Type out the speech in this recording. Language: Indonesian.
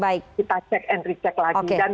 yang juga kita cek dan recek lagi